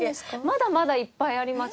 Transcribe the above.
まだまだいっぱいあります。